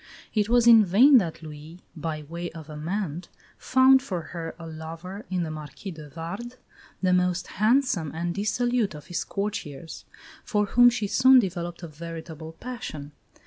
It was in vain that Louis, by way of amende, found for her a lover in the Marquis de Vardes, the most handsome and dissolute of his courtiers, for whom she soon developed a veritable passion.